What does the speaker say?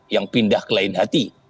yang pindah ke lain hati